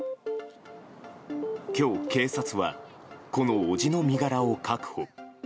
今日、警察はこの伯父の身柄を確保。